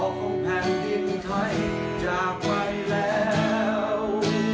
ของแผ่นดินไทยจากไปแล้ว